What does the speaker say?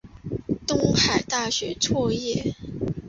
东海大学卒业。